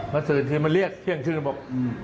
มันตื่นที่มันเรียกเที่ยงฟึก